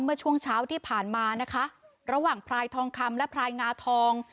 เมื่อช่วงเช้าที่ผ่านมานะคะระหว่างพลายทองคำและพลายงาทอง